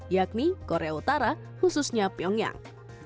yakni korea utara khususnya pyongyang